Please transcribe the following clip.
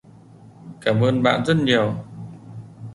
cảm ơn bạn rất nhiều